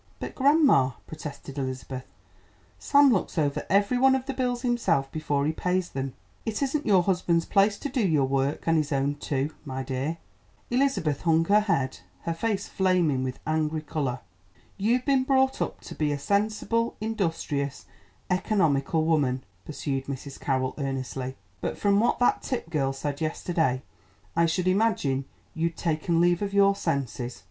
"But grandma," protested Elizabeth, "Sam looks over every one of the bills himself before he pays them." "It isn't your husband's place to do your work and his own too, my dear." Elizabeth hung her head, her face flaming with angry colour. "You've been brought up to be a sensible, industrious, economical woman," pursued Mrs. Carroll earnestly; "but from what that Tipp girl said yesterday, I should imagine you'd taken leave of your senses.